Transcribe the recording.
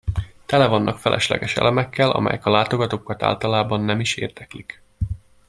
Tele vannak felesleges elemekkel, amelyek a látogatókat általában nem is érdeklik.